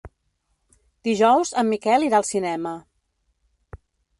Dijous en Miquel irà al cinema.